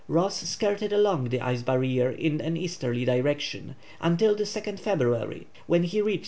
Ross skirted along the ice barrier in an easterly direction until the 2nd February, when he reached S.